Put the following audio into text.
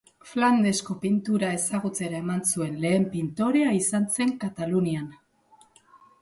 Flandesko pintura ezagutzera eman zuen lehen pintorea izan zen Katalunian.